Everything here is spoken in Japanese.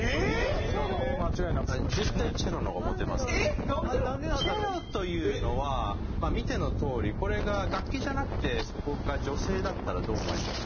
チェロというのは見てのとおりこれが楽器じゃなくてそこが女性だったらどう思います？